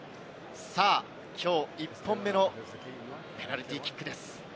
きょう１本目のペナルティーキックです。